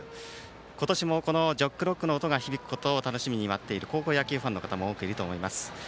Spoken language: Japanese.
今年も「ジョックロック」の音が響き渡ることを楽しみに待っている高校野球ファンの方も多くいると思います。